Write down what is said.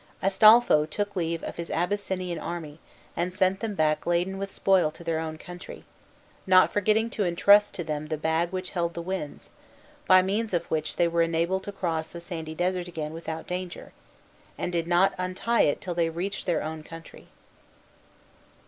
Astolpho took leave of his Abyssinian army, and sent them back laden with spoil to their own country, not forgetting to intrust to them the bag which held the winds, by means of which they were enabled to cross the sandy desert again without danger, and did not untie it till they reached their own country.